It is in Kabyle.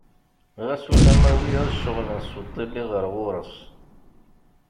Ɣas ulamma wiyaḍ cceɣlen s uṭili ɣer ɣur-s.